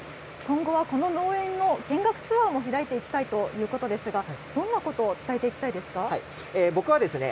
今後はこの農園の見学ツアーも開いていきたいということですが、どんなことを伝えていきたいですか。